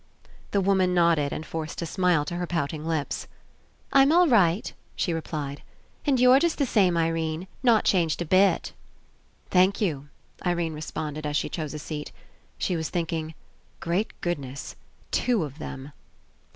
The woman nodded and forced a smile to her pouting lips. "I'm all right," she replied. "And you're just the same, Irene. Not changed a bit." "Thank you." Irene responded, as she chose a seat. She was thinking: "Great good ness! Two of them."